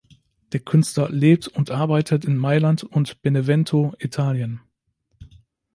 Der Künstler lebt und arbeitet in Mailand und Benevento, Italien.